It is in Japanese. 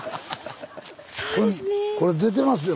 これ出てますよ